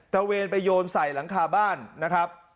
เวนไปโยนใส่หลังคาบ้านนะครับ